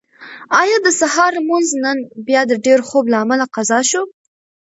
ایا د سهار لمونځ نن بیا د ډېر خوب له امله قضا شو؟